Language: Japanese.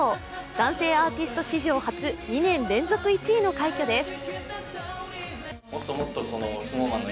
男性アーティスト史上初、２年連続１位の快挙です。